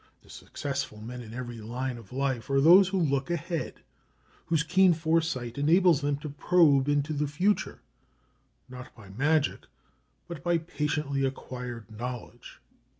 The successful men in every line of life are those who look ahead, whose keen foresight enables them to probe into the future, not by magic, but by patiently acquired knowledge.